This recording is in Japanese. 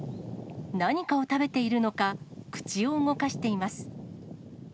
何かを食べているのか、口を動かしています。